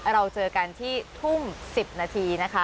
เราเจอกันที่ทุ่ม๑๐นาทีนะคะ